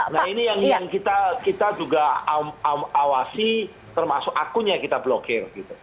nah ini yang kita juga awasi termasuk akun yang kita blokir